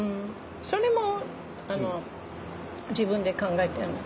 それも自分で考えてるの？